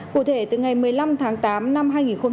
cụ thể từ ngày một mươi năm tháng tám năm hai nghìn hai mươi